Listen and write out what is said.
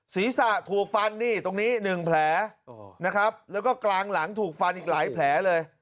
ศีรษะถูกฟันนี่ตรงนี้๑แผลนะครับแล้วก็กลางหลังถูกฟันอีกหลายแผลเลย